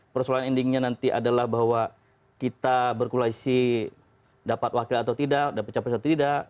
persoalan endingnya nanti adalah bahwa kita berkoalisi dapat wakil atau tidak dapat capres atau tidak